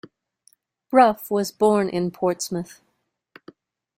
Bruff was born in Portsmouth.